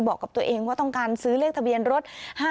บอกกับตัวเองว่าต้องการซื้อเลขทะเบียนรถ๕๐